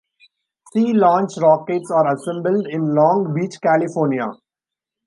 Sea Launch rockets are assembled in Long Beach, California.